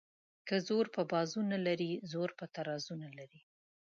ـ که زور په بازو نه لري زر په ترازو نه لري.